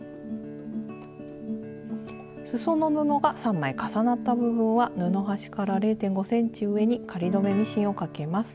すその布が３枚重なった部分は布端から０．５ｃｍ上に仮留めミシンをかけます。